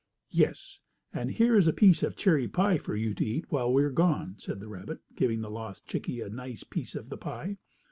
"Yes, and here is a piece of cherry pie for you to eat while we are gone," said the rabbit, giving the lost chickie a nice piece of the pie.